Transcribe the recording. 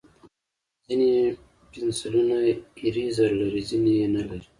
ځینې پنسلونه ایریزر لري، ځینې یې نه لري.